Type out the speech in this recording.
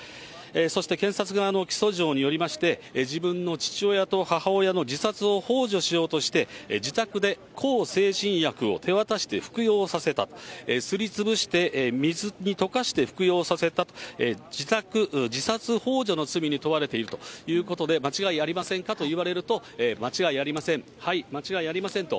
そして検察側の起訴状によりまして、自分の父親と母親を自殺をほう助しようとして、自宅で向精神薬を手渡して服用させた、すり潰して水に溶かして服用させたと、自殺ほう助の罪に問われているということで、間違いありませんかと言われると、間違いありません、はい、間違いありませんと、